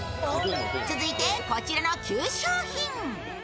続いてこちらの９商品。